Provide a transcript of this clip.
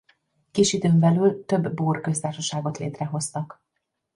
Kis időn belül több búr köztársaságot létrehoztak.